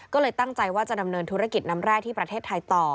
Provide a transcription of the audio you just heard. ก็เลยตั้งใจว่าจะดำเนินธุรกิจน้ำแร่ที่ประเทศไทยต่อ